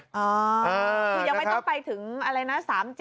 คือยังไม่ต้องไปถึงอะไรนะ